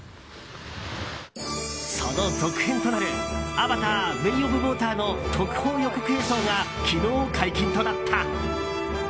その続編となる「アバター：ウェイ・オブ・ウォーター」の特報予告映像が昨日、解禁となった。